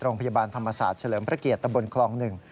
โรงพยาบาลธรรมศาสตร์เฉลิมพระเกียรติตำบลคลองหนึ่ง